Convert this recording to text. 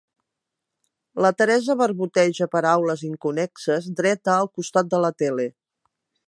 La Teresa barboteja paraules inconnexes, dreta al costat de la tele.